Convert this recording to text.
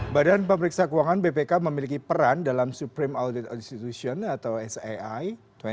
badan pemeriksa keuangan bpk memiliki peran dalam supreme audit institution atau sai dua ribu dua puluh